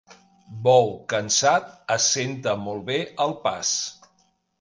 Bou cansat assenta molt bé el pas.